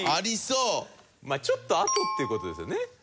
ちょっとあとっていう事ですよね。